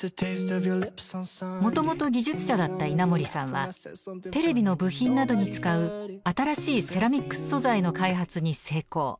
もともと技術者だった稲盛さんはテレビの部品などに使う新しいセラミックス素材の開発に成功。